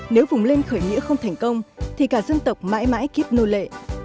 nếu vùng lên khởi nghĩa không thành công thì cả dân tộc mãi mãi kiếp nô lệ